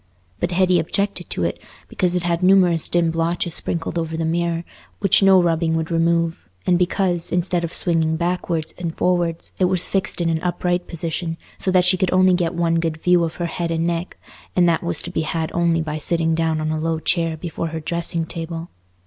But Hetty objected to it because it had numerous dim blotches sprinkled over the mirror, which no rubbing would remove, and because, instead of swinging backwards and forwards, it was fixed in an upright position, so that she could only get one good view of her head and neck, and that was to be had only by sitting down on a low chair before her dressing table.